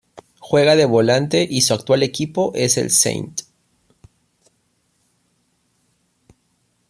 Juega de volante y su actual equipo es el St.